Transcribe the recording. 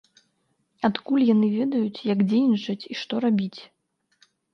Адкуль яны ведаюць як дзейнічаць і што рабіць?